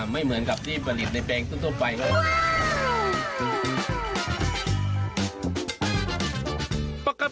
ไม่เหมือนกับที่ประดิษฐ์ในแบงค์ทั่วไป